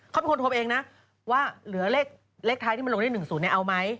เขาเป็นคนโทรเองนะว่าเหลือเลขท้ายที่มันลงได้๑๐เอาไหม